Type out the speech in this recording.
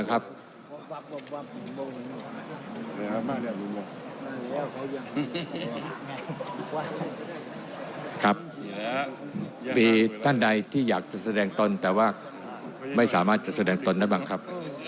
ครับมีท่านใดที่อยากจะแสดงตนแต่ว่าไม่สามารถจะแสดงตนได้บ้างครับ